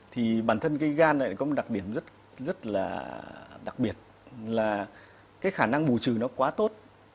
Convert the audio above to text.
thì bản thân cây gan này có một đặc điểm rất là đặc biệt là cái khả năng bù trừ nó quá tốt